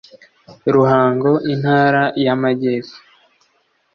ruhango intara y amajyepfo